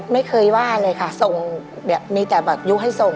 ไม่เคยว่าเลยค่ะส่งแบบมีแต่แบบยุคให้ส่ง